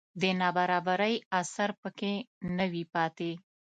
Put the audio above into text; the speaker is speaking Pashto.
د نابرابرۍ اثر په کې نه وي پاتې